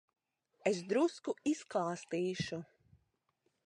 Es drusku izklāstīšu.